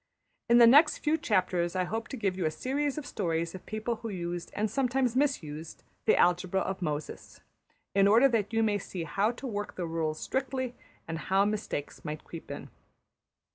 In the next few chapters I hope to give you a series of stories of people who used, and sometimes mis used, the algebra of Moses, in order that you may see how to work the rules strictly and how mistakes might creep in.